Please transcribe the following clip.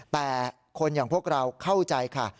แต่คนอย่างพวกเราเข้าใจค่ะ